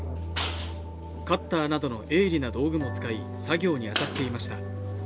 カッターなどの鋭利な道具も使い作業に当たっていました